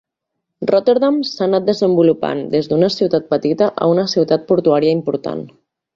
Rotterdam s'ha anat desenvolupant des d'una ciutat petita a una ciutat portuària important.